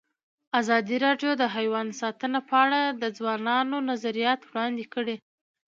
ازادي راډیو د حیوان ساتنه په اړه د ځوانانو نظریات وړاندې کړي.